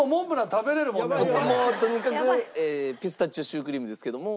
もうとにかくピスタチオシュークリームですけども。